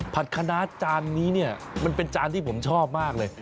คณะจานนี้เนี่ยมันเป็นจานที่ผมชอบมากเลย